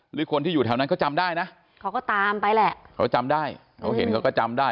หรือคนที่อยู่แถวนั้นเขาจำได้นะเขาก็ตามไปแหละเขาจำได้เขาเห็นเขาก็จำได้